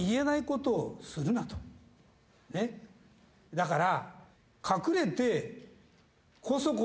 だから。